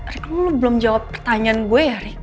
rik lo belum jawab pertanyaan gue ya rik